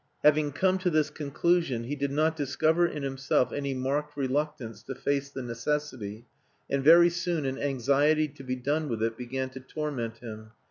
Having come to this conclusion, he did not discover in himself any marked reluctance to face the necessity, and very soon an anxiety to be done with it began to torment him.